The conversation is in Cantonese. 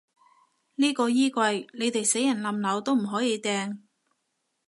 呢個衣櫃，你哋死人冧樓都唔可以掟